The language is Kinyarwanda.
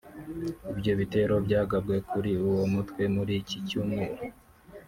Ibyo bitero byagabwe kuri uwo mutwe muri icyi cyumweru